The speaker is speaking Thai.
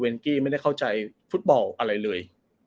กี้ไม่ได้เข้าใจฟุตบอลอะไรเลย